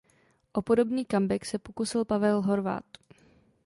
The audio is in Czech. O podobný comeback se pokusil Pavel Horváth.